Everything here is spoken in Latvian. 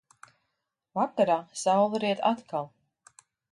Vakarā saule riet atkal.